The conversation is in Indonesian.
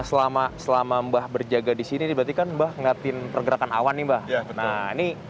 selama selama mbah berjaga disini dibatikan mbah ngerti pergerakan awan ini mbah nah ini